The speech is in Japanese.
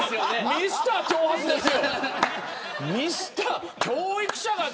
ミスター長髪ですよ。